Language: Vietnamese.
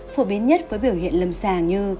phổ biến nhất với biểu hiện lâm sàng như